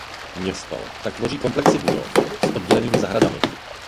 Město tak tvoří komplexy budov s oddělenými zahradami.